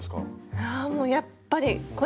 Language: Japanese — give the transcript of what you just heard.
いやもうやっぱりこれ！